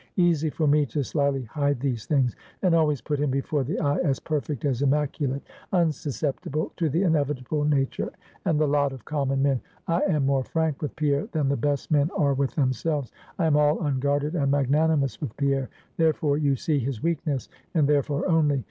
Easy for me to slyly hide these things, and always put him before the eye as perfect as immaculate; unsusceptible to the inevitable nature and the lot of common men. I am more frank with Pierre than the best men are with themselves. I am all unguarded and magnanimous with Pierre; therefore you see his weakness, and therefore only.